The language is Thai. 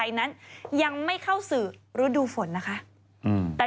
พี่ชอบแซงไหลทางอะเนาะ